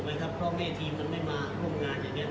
แล้วพลังสรรค์เดิมเรียนเขาสามารถเอาโลโก้ของเราไปไชว์หน้า